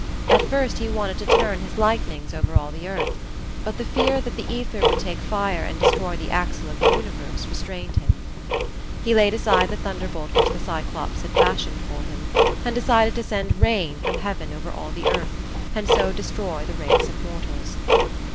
At first he wanted to turn his lightnings over all the earth, but the fear that the ether would take fire and destroy the axle of the universe restrained him. He laid aside the thunderbolt which the Cyclops had fashioned for him, and decided to send rain from heaven over all the earth and so destroy the race of mortals.